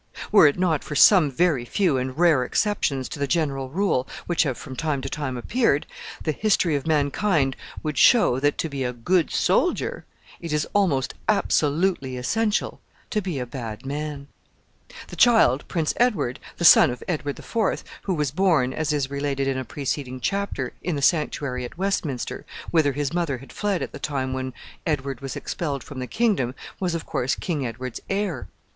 Were it not for some very few and rare exceptions to the general rule, which have from time to time appeared, the history of mankind would show that, to be a good soldier, it is almost absolutely essential to be a bad man. The child, Prince Edward, the son of Edward the Fourth, who was born, as is related in a preceding chapter, in the sanctuary at Westminster, whither his mother had fled at the time when Edward was expelled from the kingdom, was, of course, King Edward's heir.